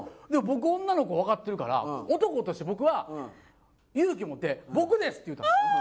僕女の子分かってるから男として僕は勇気持って「僕です！」って言うたんです